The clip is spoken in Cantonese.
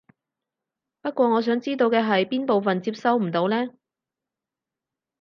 不過我想知道嘅係邊部分接收唔到呢？